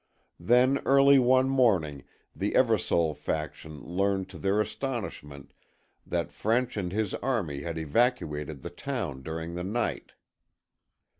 Then early one morning the Eversole faction learned to their astonishment that French and his army had evacuated the town during the night.